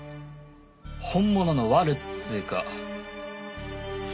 本物のワルっつうか。